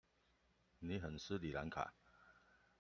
你很失禮蘭卡